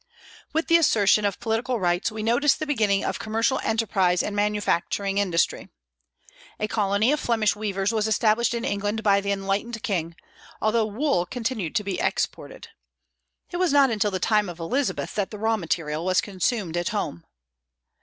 With the assertion of political rights we notice the beginning of commercial enterprise and manufacturing industry. A colony of Flemish weavers was established in England by the enlightened king, although wool continued to be exported. It was not until the time of Elizabeth that the raw material was consumed at home.